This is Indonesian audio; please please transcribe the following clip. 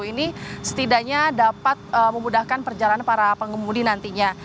ini setidaknya dapat memudahkan perjalanan para pengemudi nantinya